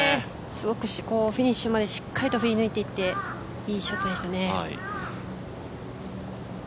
すごくフィニッシュまでしっかりと振り抜いていっていいショットでしたね。